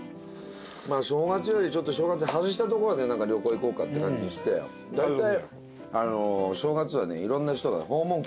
まあ正月よりちょっと正月外したところで旅行行こうかって感じにしてだいたい。